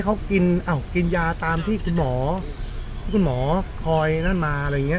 เขากินอ้าวกินยาตามที่คุณหมอที่คุณหมอคอยนั่นมาอะไรอย่างเงี้